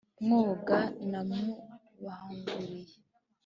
mwoga namubanguriye